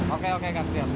oke oke kang siap